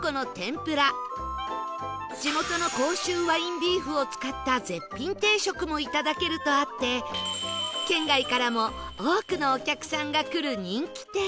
地元の甲州ワインビーフを使った絶品定食もいただけるとあって県外からも多くのお客さんが来る人気店